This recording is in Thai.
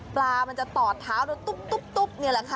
ปลามันจะตอดเท้าแล้วตุ๊บนี่แหละค่ะ